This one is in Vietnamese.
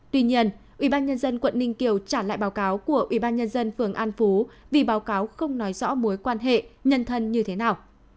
tuy nhiên ubnd quận ninh kiều trả lại báo cáo của ubnd phường an phú vì báo cáo không nói rõ mối quan hệ nhân thân như thế nào